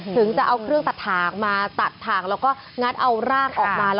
ถึงจะเอาเครื่องตัดถ่างมาตัดถ่างแล้วก็งัดเอาร่างออกมา